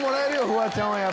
フワちゃんは。